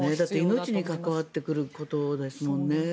命に関わってくることですもんね。